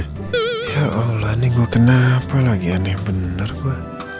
ya allah nih gue kenapa lagi aneh benar gue